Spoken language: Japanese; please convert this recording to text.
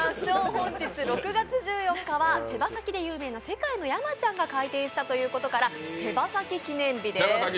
本日６月１４日は手羽先で有名な世界の山ちゃんが開店したということから手羽先記念日です。